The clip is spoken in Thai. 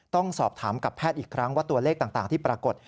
ต้องสอบถามกับแพทย์อีกครั้งว่าตัวเลขต่างที่ปรากฏ